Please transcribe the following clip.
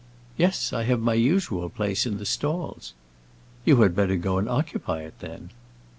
"Yes, I have my usual place, in the stalls." "You had better go and occupy it, then."